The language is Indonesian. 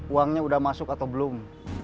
uangnya sudah masuk atau belum